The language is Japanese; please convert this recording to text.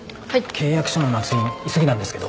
契約書の捺印急ぎなんですけど。